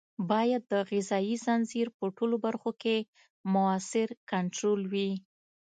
باید د غذایي ځنځیر په ټولو برخو کې مؤثر کنټرول وي.